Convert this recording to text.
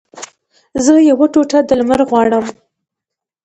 زه یوه ټوټه د لمر غواړم